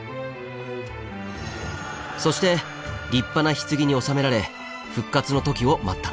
そして立派な棺に納められ復活の時を待ったのです。